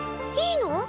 いいの？